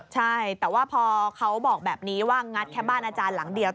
ใช่แต่ว่าพอเขาบอกแบบนี้ว่างัดแค่บ้านอาจารย์หลังเดียว